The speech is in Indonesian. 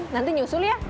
nanti nyusul ya